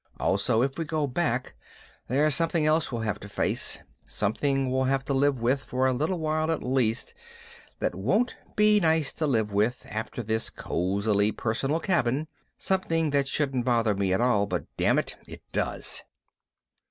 _Also if we go back there's something else we'll have to face, something we'll have to live with for a little while at least that won't be nice to live with after this cozily personal cabin, something that shouldn't bother me at all but, dammit, it does.